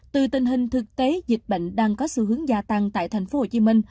từ tình hình thực tế dịch bệnh đang có sự hướng gia tăng tại tp hcm